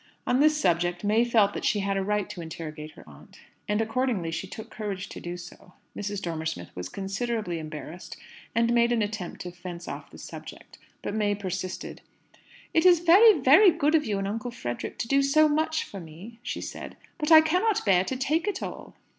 On this subject May felt that she had a right to interrogate her aunt; and accordingly she took courage to do so. Mrs. Dormer Smith was considerably embarrassed, and made an attempt to fence off the subject. But May persisted. "It's very, very good of you and Uncle Frederick to do so much for me," she said; "but I can't bear to take it all."